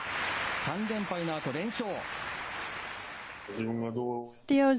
３連敗のあと連勝。